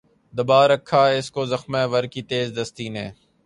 دبا رکھا ہے اس کو زخمہ ور کی تیز دستی نے